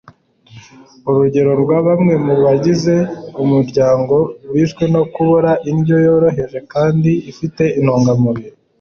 urugero rwa bamwe mu bagize umuryango bishwe no kubura indyo yoroheje kandi ifite intungamubiri